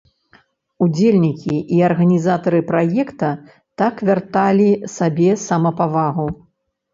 Удзельнікі і арганізатары праекта так вярталі сабе самапавагу.